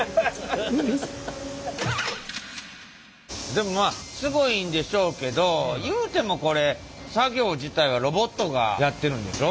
でもまあすごいんでしょうけどいうてもこれ作業自体はロボットがやってるんでしょ？